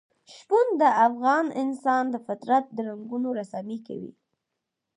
شپون د افغان انسان د فطرت د رنګونو رسامي کوي.